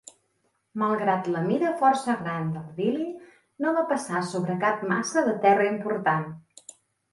Malgrat la mida força gran del Billie, no va passar sobre cap massa de terra important.